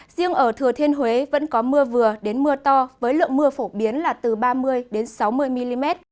riêng ở thừa thiên huế vẫn có mưa vừa đến mưa to với lượng mưa phổ biến là từ ba mươi sáu mươi mm